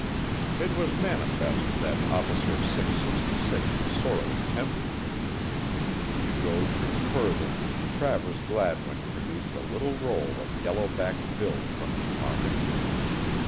It was manifest that Officer 666 was sorely tempted. To goad him further Travers Gladwin produced a little roll of yellow backed bills from his pocket.